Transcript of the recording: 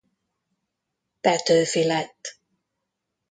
Petőfi lett.